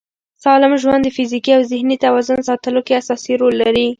سالم ژوند د فزیکي او ذهني توازن ساتلو کې اساسي رول لري.